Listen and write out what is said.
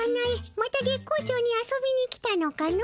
また月光町に遊びに来たのかの？